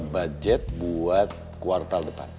budget buat kuartal depan